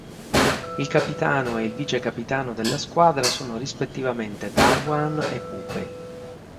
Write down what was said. Il capitano e il vice capitano della squadra sono rispettivamente Tarwaan e Pupe.